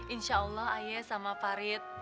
insya allah ayah sama farid